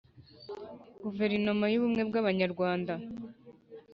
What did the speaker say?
Guverinoma y ubumwe bw Abanyarwanda